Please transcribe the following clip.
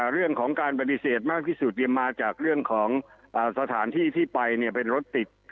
เรื่องของการปฏิเสธมากที่สุดมาจากเรื่องของสถานที่ที่ไปเป็นรถติด